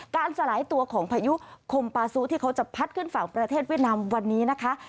สลายตัวของพายุคมปาซูที่เขาจะพัดขึ้นฝั่งประเทศเวียดนามวันนี้นะคะ